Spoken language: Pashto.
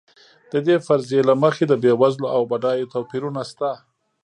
د دې فرضیې له مخې د بېوزلو او بډایو توپیرونه شته.